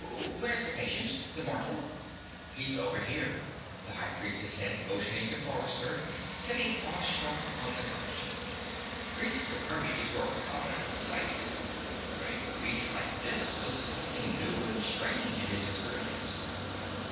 "Where's the patient? The mortal?" "He's over here," the High Priestess said, motioning to Forrester sitting awestruck on the couch. Priests of Hermes were common enough sights but a priest like this was something new and strange in his experience.